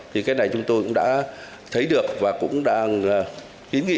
thì cái này chúng tôi cũng đã thấy được và cũng đang ý nghĩ với chính phủ